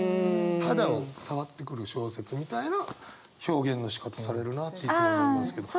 肌を触ってくる小説みたいな表現のしかたされるなっていつも思いますけど。